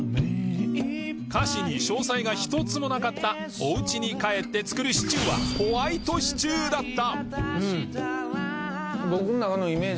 歌詞に詳細が一つもなかったお家に帰って作るシチューはホワイトシチューだった！